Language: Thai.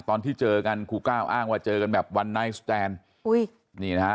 ตอนที่เจอกันครูก้าวอ้างว่าเจอกันแบบวันไนท์สแตนอุ้ยนี่นะฮะ